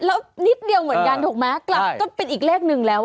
แล้วนิดเดียวเหมือนกันถูกไหมกลับก็เป็นอีกเลขหนึ่งแล้ว